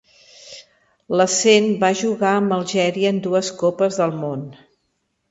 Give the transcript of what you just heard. Lacen va jugar amb Algèria en dues Copes del Món.